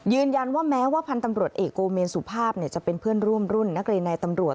ยืนยันว่าแม้ว่าพันธ์ตำรวจเอกโกเมนสุภาพจะเป็นเพื่อนร่วมรุ่นนักเรียนในตำรวจ